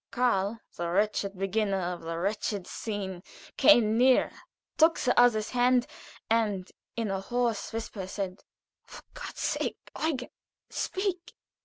Karl, the wretched beginner of the wretched scene, came nearer, took the other's hand, and, in a hoarse whisper, said: "For God's sake, Eugen, speak!